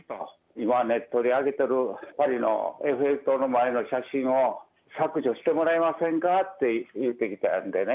今ネットで上げてるパリのエッフェル塔の前での写真を削除してもらえませんかって言うてきたんでね。